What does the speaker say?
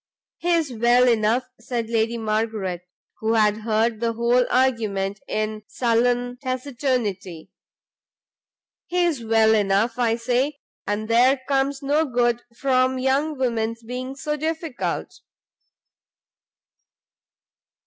"He is well enough," said Lady Margaret, who had heard the whole argument in sullen taciturnity, "he is well enough, I say; and there comes no good from young women's being so difficult."